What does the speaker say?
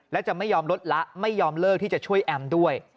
และจะไม่ยอมลดละไม่ยอมเลิกที่จะช่วยแอมด้วย